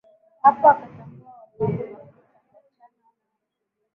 Hapo akatambua wapakwa mafuta, wachana nao.